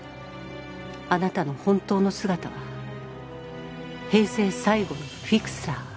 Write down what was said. あなたの本当の姿は平成最後のフィクサー。